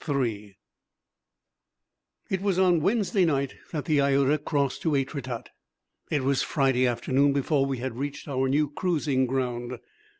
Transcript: It was on the Wednesday night that the Iota crossed to Etretat. It was Friday afternoon before we had reached our new cruising ground.